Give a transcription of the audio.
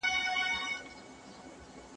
زه اجازه لرم چي درسونه اورم